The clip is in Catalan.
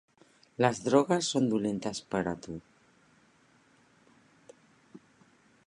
Les drogues són dolentes per a tu.